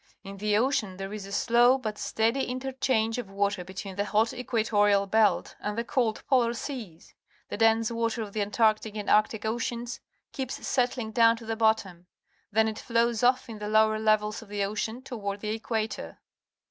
In the ocean there is a slow but steady interchange of water between the hot equatorial belt and the cold polar seas. The dense water of the Antarctic and Arctic Oceans keeps settling down to the bottom. Then it flows off in the lower levels of the ocean toward the equator.